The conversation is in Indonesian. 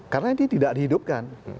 karena ini tidak dihidupkan